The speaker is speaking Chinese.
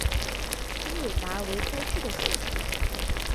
苏韦达为该区的首府。